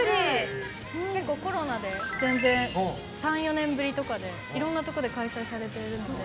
コロナで全然３４年ぶりとかでいろんなところで開催されているので。